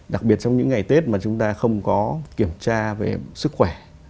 đặc biệt trong những ngày tết mà chúng ta không có kiểm tra về sức khỏe